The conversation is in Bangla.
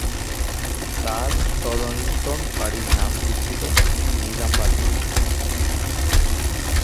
তাঁর তদানীন্তন বাড়ির নাম ছিল 'নীলামবাটী'।